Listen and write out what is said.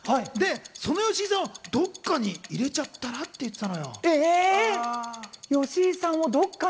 その吉井さんをどこかに入れちゃったら？って言ってたの。